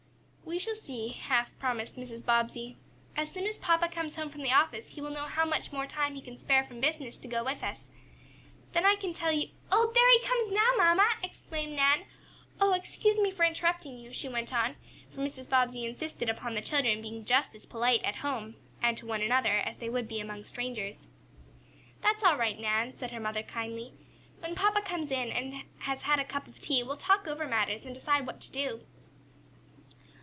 "We shall see," half promised Mrs. Bobbsey. "As soon as papa comes home from the office, he will know how much more time he can spare from business to go with us. Then I can tell you " "There he comes now, mamma!" exclaimed Nan. "Oh, excuse me for interrupting you," she went on, for Mrs. Bobbsey insisted upon the children being just as polite at home, and to one another, as they would be among strangers. "That's all right, Nan," said her mother kindly. "When papa comes in, and has had a cup of tea, we'll talk over matters, and decide what to do."